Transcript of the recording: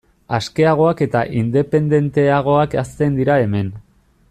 Askeagoak eta independenteagoak hazten dira hemen.